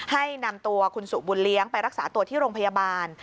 ให้นำตัวคุณสุบุญเลี้ยงไปรักษาตัวที่โรงพยาบาล